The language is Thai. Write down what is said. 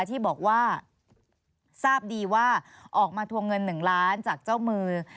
ที่บอกว่าทราบดีว่าออกมาทวงเงิน๑ล้านจากเจ้ามือ